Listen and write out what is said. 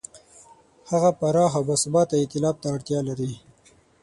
هغه پراخ او باثباته ایتلاف ته اړتیا لري.